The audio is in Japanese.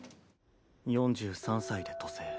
４３ 歳で渡西。